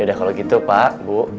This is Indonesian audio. udah kalau gitu pak bu